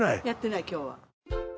やってない今日は。